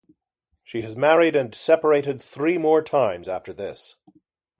She has married and separated three more times after this.